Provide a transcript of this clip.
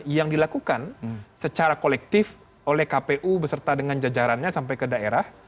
yang dilakukan secara kolektif oleh kpu beserta dengan jajarannya sampai ke daerah